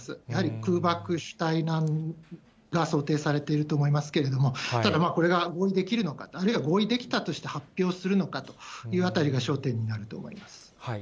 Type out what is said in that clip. やはり空爆主体が想定されていると思いますけれども、ただ、これが合意できるのか、あるいは合意できたとして発表するのかというあたりが焦点になると思います。